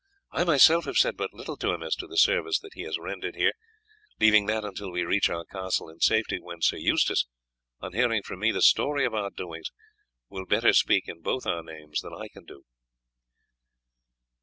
I myself have said but little to him as to the service that he has rendered here, leaving that until we reach our castle in safety, when Sir Eustace, on hearing from me the story of our doings, will better speak in both our names than I can do."